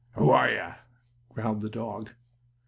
"Who are you?" growled the dog.